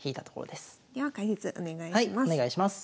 では解説お願いします。